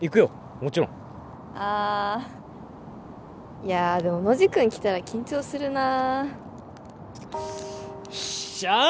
もちろんあいやでもノジ君来たら緊張するなっしゃあ！